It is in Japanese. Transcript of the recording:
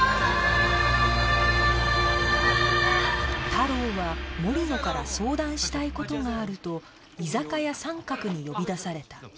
太郎は森野から相談したい事があると居酒屋サンカクに呼び出された